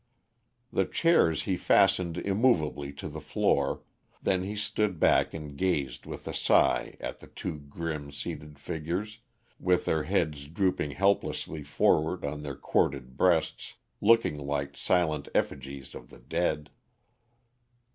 The chairs he fastened immovably to the floor, then he stood back and gazed with a sigh at the two grim seated figures, with their heads drooping helplessly forward on their corded breasts, looking like silent effigies of the dead.